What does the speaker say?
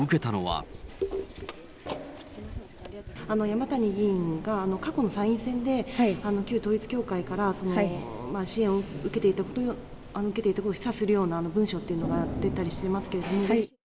山谷議員が、過去の参院選で旧統一教会から支援を受けていたということを示唆するような文書というのが出たりしていますけれども。